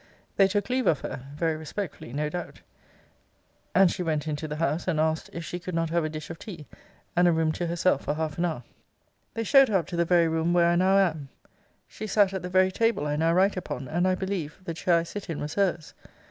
'They took leave of her, [very respectfully, no doubt,] and she went into the house, and asked, if she could not have a dish of tea, and a room to herself for half an hour. 'They showed her up to the very room where I now am. She sat at the very table I now write upon; and, I believe, the chair I sit in was her's.'